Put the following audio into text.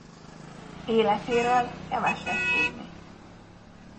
Életéről keveset tudni.